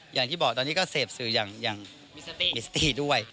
อย่างที่บอกตอนนี้ก็เสพสื่ออย่างมิสตี้ด้วย